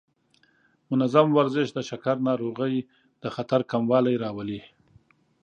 منظم ورزش د شکر ناروغۍ د خطر کموالی راولي.